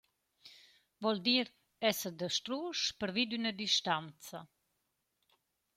Voul dir: Esser dastrusch pervi d’üna distanza.